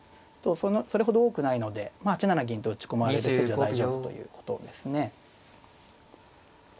それほど多くないので８七銀と打ち込まれる筋は大丈夫ということですね。